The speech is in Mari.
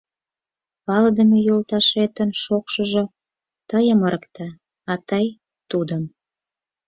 Палыдыме йолташетын шокшыжо тыйым ырыкта, а тый — тудым.